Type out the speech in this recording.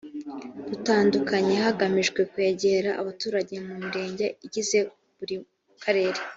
dutandukanye hagamijwe kwegera abaturage mu mirenge igize buri karere